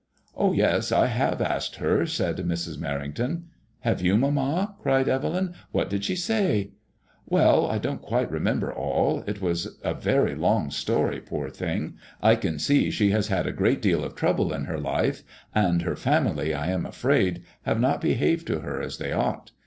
"Oh, yes, I have asked her," said Mrs. Merrington. " Have you, mama ?" cried Evelyn. " What did she say ?"" Well, I don't quite remember all ; it was a very long story, poor thing. I can see she has had a great deal of trouble in her life, and her family, I am afraid, have not behaved to her as they ought.